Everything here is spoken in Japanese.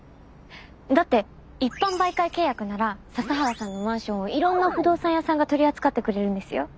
だって一般媒介契約なら笹原さんのマンションをいろんな不動産屋さんが取り扱ってくれるんですよ。